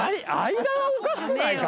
間はおかしくないか？